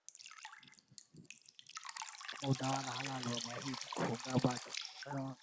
kama utawala halali na wameahidi kufungua balozi katika mji wa bigaz